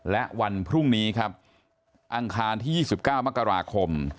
และวันพรุ่งนี้ครับอังคารที่๒๙มกราคม